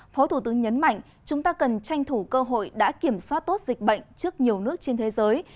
phó thủ tướng nhấn mạnh chúng ta cần tranh thủ cơ hội đã kiểm soát tốt dịch bệnh trước nhiều nước trên thế giới